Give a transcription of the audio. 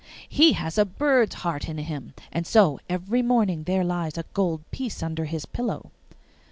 He has a bird's heart in him, and so every morning there lies a gold piece under his pillow.